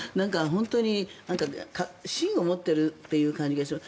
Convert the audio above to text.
本当に芯を持っているっていう感じがします。